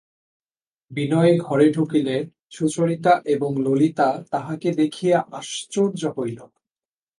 বিনয় ঘরে ঢুকিলে সুচরিতা এবং ললিতা তাহাকে দেখিয়া আশ্চর্য হইল।